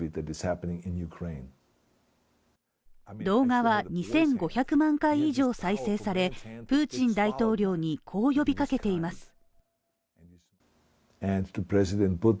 動画は２５００万回以上再生され、プーチン大統領にこう呼びかけています。